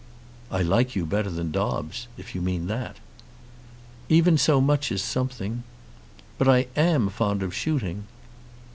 "I like you better than Dobbes, if you mean that." "Even so much is something." "But I am fond of shooting."